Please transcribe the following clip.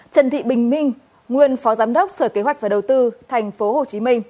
trần thị bình minh nguyên phó giám đốc sở kế hoạch và đầu tư tp hcm